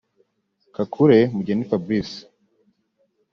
Kakule Mugheni Fabrice